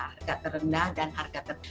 harga terendah dan harga